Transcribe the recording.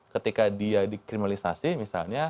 ketika dia dikriminalisasi misalnya